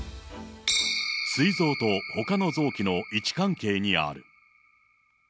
すい臓とほかの臓器の位置関係にある。